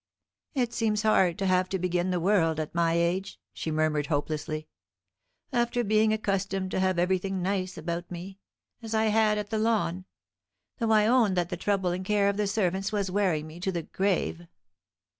"It seems hard to have to begin the world at my age," she murmured hopelessly, "after being accustomed to have everything nice about me, as I had at the Lawn; though I own that the trouble and care of the servants was wearing me to the grave."